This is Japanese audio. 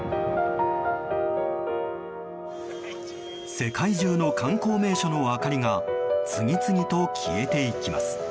世界中の観光名所の明かりが次々と消えていきます。